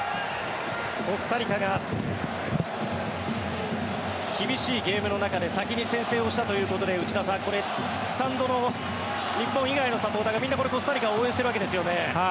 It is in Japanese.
コスタリカが厳しいゲームの中で先に先制をしたということで内田さん、スタンドの日本以外のサポーターがみんな、これ、コスタリカを応援しているわけですよね。